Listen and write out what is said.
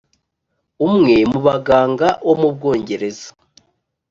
umwe mu baganga wo mu bwongereza